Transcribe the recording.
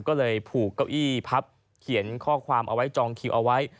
ก็เลยผูกเก้าอี้พับเขียนข้อความเอาไว้จองคิวเอาไว้